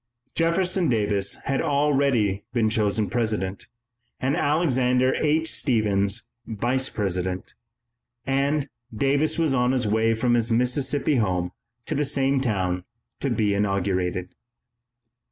Jefferson Davis had already been chosen President, and Alexander H. Stephens Vice President, and Davis was on his way from his Mississippi home to the same town to be inaugurated.